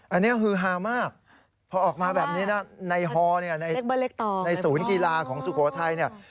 อันนี้ฮือฮามากพอออกมาแบบนี้นะในฮอเนี่ยในศูนย์กีฬาของสุโขทัยเนี่ย